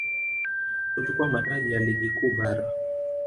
kuchukua mataji ya Ligi Kuu Bara